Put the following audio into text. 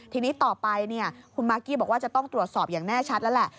ทีนี้ต่อไปคุณมากกี้บอกว่าจะต้องตรวจสอบอย่างแน่ชัดแล้วแหละ